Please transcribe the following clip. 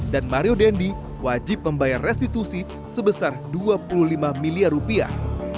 dan mario dendi wajib membayar restitusi sebesar dua puluh lima miliar rupiah